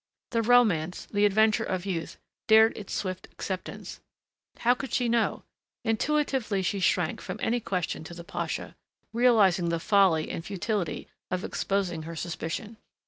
The romance, the adventure of youth, dared its swift acceptance. How could she know? Intuitively she shrank from any question to the pasha, realizing the folly and futility of exposing her suspicion.